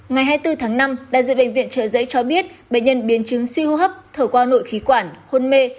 ngày hai mươi bốn tháng năm đại diện bệnh viện trợ giấy cho biết bệnh nhân biến chứng siêu hô hấp thở qua nội khí quản hôn mê